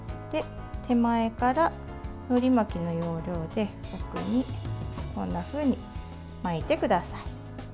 手前から、のり巻きの要領で奥にこんなふうに巻いてください。